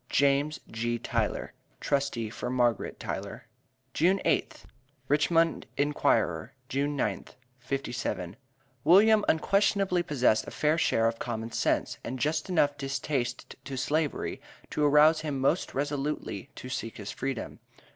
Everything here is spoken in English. JAS. G. TYLER, Trustee for Margaret Tyler. June 8th &c2t Richmond Enquirer, June 9, 57. William unquestionably possessed a fair share of common sense, and just enough distaste to Slavery to arouse him most resolutely to seek his freedom.